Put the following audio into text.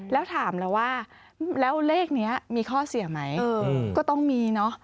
แล้วถามแล้วว่าแล้วเลขนี้มีข้อเสียไหมก็ต้องมีเนอะ